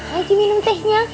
lagi minum tehnya